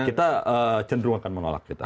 kita cenderung akan menolak